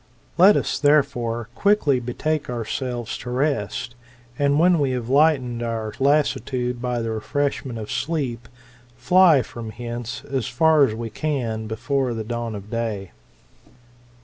Let us, therefore, quickly betake ourselves to rest, and when we have lightened our lassitude by the refreshment of sleep, fly from hence as far as we can before the dawn of day.